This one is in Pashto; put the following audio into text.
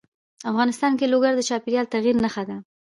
افغانستان کې لوگر د چاپېریال د تغیر نښه ده.